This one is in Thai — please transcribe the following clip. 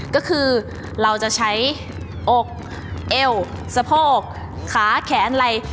ก็คือเราจะใช้อกเอวสะโพกขาแขนอะไร